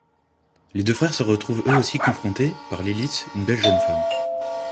Les deux frères se retrouvent eux aussi confrontés, par Lilith, une belle jeune femme.